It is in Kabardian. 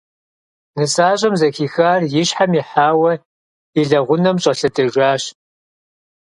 Нысащӏэм, зэхихар и щхьэм ихьауэ, и лэгъунэм щӏэлъэдэжащ.